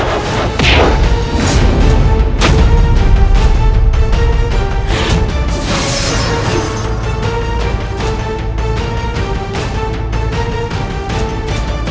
bapak kita akan kabur